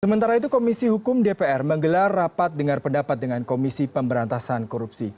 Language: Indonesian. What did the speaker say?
sementara itu komisi hukum dpr menggelar rapat dengar pendapat dengan komisi pemberantasan korupsi